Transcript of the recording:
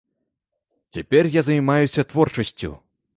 Цяпер я займаюся творчасцю.